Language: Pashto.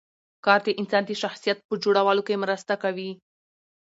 کار د انسان د شخصیت په جوړولو کې مرسته کوي